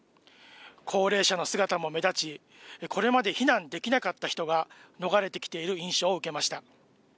高齢者の姿も目立ち、これまで避難できなかった人が逃れてきている印象を受けました。